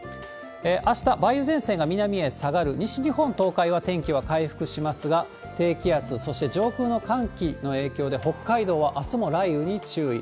あした、梅雨前線が南へ下がる西日本、東海は天気は回復しますが、低気圧、そして上空の寒気の影響で、北海道はあすも雷雨に注意。